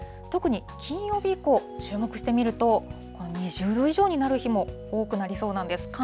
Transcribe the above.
特に金曜日以降、注目してみると、２０度以上になる日も多くなりそうなんです。